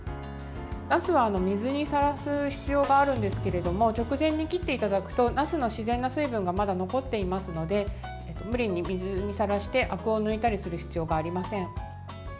なすは水にさらす必要があるんですけれども直前に切っていただくとなすの自然な水分がまだ残っていますので無理に水にさらしてあくを抜いたりする必要がありません。